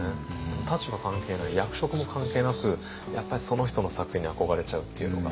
立場関係ない役職も関係なくやっぱりその人の作品に憧れちゃうっていうのがあるので。